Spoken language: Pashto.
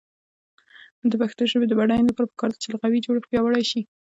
د پښتو ژبې د بډاینې لپاره پکار ده چې لغوي جوړښت پیاوړی شي.